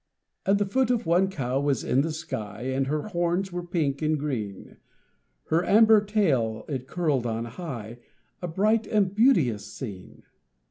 And the foot of one cow was in the sky, And her horns were pink and green; Her amber tail it curled on high A bright and beauteous scene.